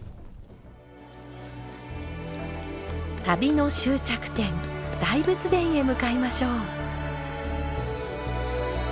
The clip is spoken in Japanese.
旅の終着点大仏殿へ向かいましょう。